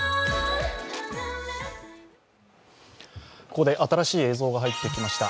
ここで新しい映像が入ってきました。